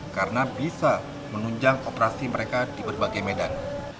karena bisa menunjang operasi mereka di berbagai medan